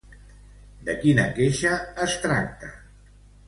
De quina queixa es tracta?